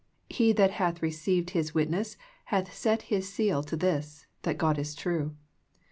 He that hath received His witness hath set His seal to this, that God is true.